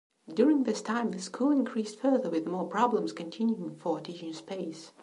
During this time the school increased further with more problems continuing for teaching space.